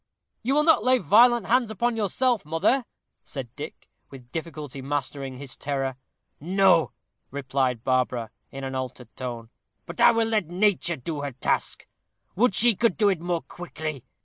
"You will not lay violent hands upon yourself, mother?" said Dick, with difficulty mastering his terror. "No," replied Barbara, in an altered tone. "But I will let nature do her task. Would she could do it more quickly.